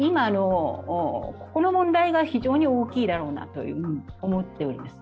この問題が非常に大きいだろうなと思っております。